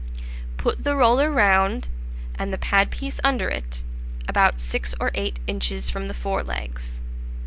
Put the roller round, and the pad piece under it, about six or eight inches from the fore legs.